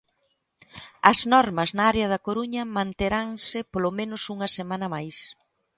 As normas na área da Coruña manteranse polo menos unha semana máis.